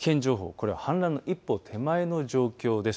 これ氾濫の一歩手前の状況です。